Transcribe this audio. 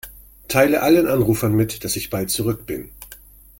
Teile allen Anrufern mit, dass ich bald zurück bin.